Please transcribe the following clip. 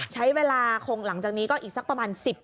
ใช้เวลาคงหลังจากนี้ก็อีกสักประมาณ๑๐